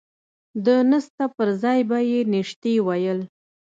د نسته پر ځاى به يې نيشتې ويل.